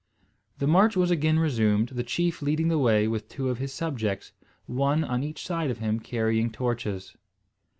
The march was again resumed, the chief leading the way with two of his subjects, one on each side of him carrying torches.